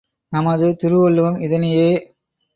நமது திருவள்ளுவம் இதனையே.